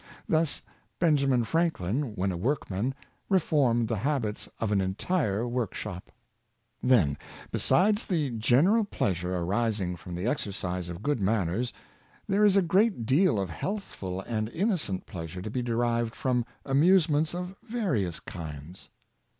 Thus Ben jamin Franklin, when a workman, reformed the habits of an entire workshop. Then, besides the general pleasure arising from the exercise of good manners, there is a great deal of healthful and innocent pleasure to be derived from amusements of various kinds.